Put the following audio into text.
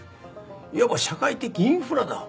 いわば社会的インフラだ。